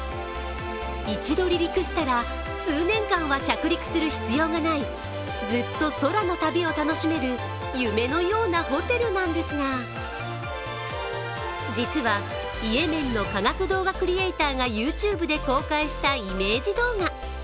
一度離陸したら数年間は着陸する必要がないずっと空の旅を楽しめる夢のようなホテルなんですが実はイエメンの科学動画クリエーターがＹｏｕＴｕｂｅで公開したイメージ動画。